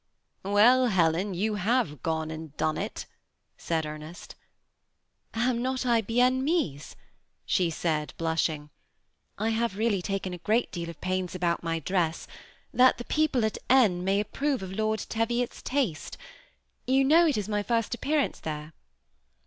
"Well, Helen, you have gone and done it," said Ernest. " Am not I * bien mise '?" she said, blushing ;" I have really taken a great deal of pains about my dress, that the people at N may approve of Lord Teviot's taste. You know it is my flrst appearance there."